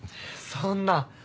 そんな。